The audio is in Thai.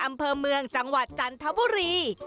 อำเภอเมืองจังหวัดจันทบุรี